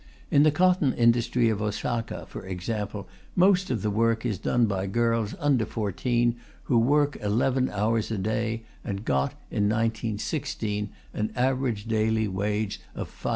In the cotton industry of Osoka, for example, most of the work is done by girls under fourteen, who work eleven hours a day and got, in 1916, an average daily wage of 5d.